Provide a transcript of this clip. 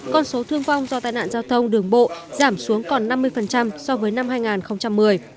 con số thương vong do tai nạn giao thông đường bộ giảm xuống còn năm mươi so với năm hai nghìn một mươi